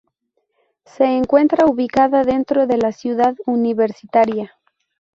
Se encuentra ubicada dentro de la Ciudad Universitaria.